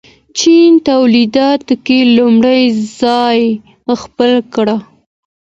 چین تولیداتو کې لومړی ځای خپل کړ.